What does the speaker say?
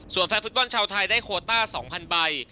ส่วนแฟนฟุตบอลชาวไทยได้โคต้า๒๐๐ใบ